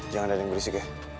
jangan ada yang berisik ya